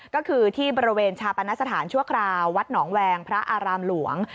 ก็คือที่บริเวณชาปนสถานชั่วคราววัดหนองแวงพระอารามหลวง